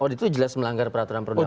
oh itu jelas melanggar peraturan perundangan